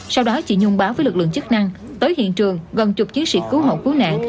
sau đó chị nhung báo với lực lượng chức năng tới hiện trường gần chục chiến sĩ cứu hộ cứu nạn